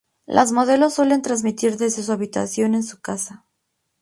Las modelos suelen transmitir desde su habitación en su casa.